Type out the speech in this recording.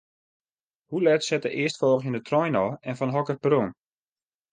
Hoe let set de earstfolgjende trein ôf en fan hokker perron?